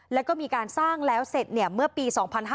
แล้วก็มีการสร้างแล้วเสร็จเมื่อปี๒๕๕๙